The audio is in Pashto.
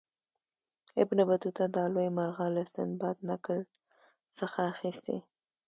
ابن بطوطه دا لوی مرغه له سندباد نکل څخه اخیستی.